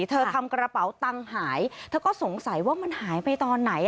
ทำกระเป๋าตังค์หายเธอก็สงสัยว่ามันหายไปตอนไหน